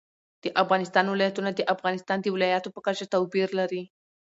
د افغانستان ولايتونه د افغانستان د ولایاتو په کچه توپیر لري.